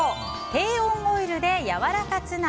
低温オイルでやわらかツナ。